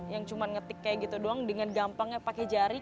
yang cuma ngetik kayak gitu doang dengan gampangnya pakai jari